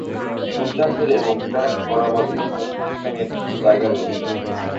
উদ্যান জুড়ে এবং ট্র্যাক বরাবর বিভিন্ন বিশ্রামের জায়গা রয়েছে।